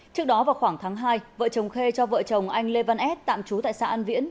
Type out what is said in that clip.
trước đó vào khoảng tháng hai vợ chồng khê cho vợ chồng anh lê văn ad tạm trú tại xã an viễn